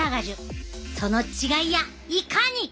その違いやいかに！？